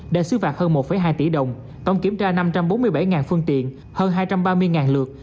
đã xứ phạt hơn một hai tỷ đồng tổng kiểm tra năm trăm bốn mươi bảy phương tiện hơn hai trăm ba mươi lượt